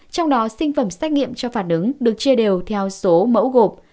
trong đó sinh phẩm xét nghiệm cho phản ứng được chia đều theo số mẫu gộp